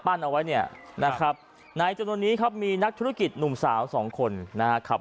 เอาไว้เนี่ยนะครับในจำนวนนี้ครับมีนักธุรกิจหนุ่มสาวสองคนนะครับ